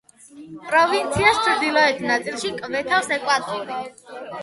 პროვინციას ჩრდილოეთ ნაწილში კვეთავს ეკვატორი.